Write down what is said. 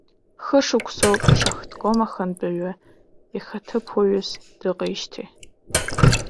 Хышықәсоуп шахтком ахантәаҩы ихаҭыԥуаҩс дыҟеижьҭеи.